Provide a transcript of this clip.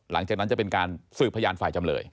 หลังจากนั้นจะเป็นการสืบพยานฝ่ายจำเลย